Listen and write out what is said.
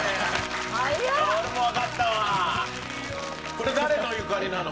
これ誰のゆかりなの？